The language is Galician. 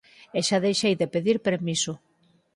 E xa deixei de pedir permiso.